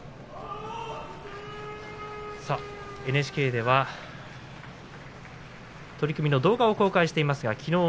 ＮＨＫでは取組の動画を公開しています。